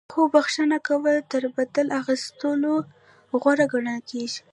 خو بخښنه کول تر بدل اخیستلو غوره ګڼل کیږي.